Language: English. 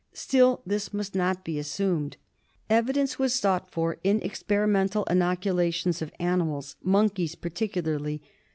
Still this must not be assumed. Evidence was sought for in experimental inoculations of animals — monkeys particularly.